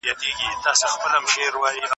په وطن كي عدالت نسته ستم دئ